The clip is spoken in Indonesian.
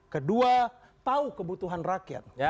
kedua tahu kebutuhan rakyat